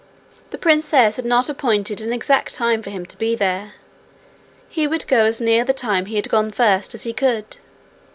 The princess had not appointed an exact time for him to be there; he would go as near the time he had gone first as he could.